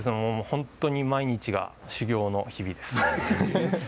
本当に毎日が修業の日々です。